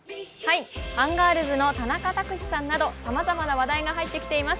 アンガールズの田中卓志さんなどさまざまな話題が入ってきています。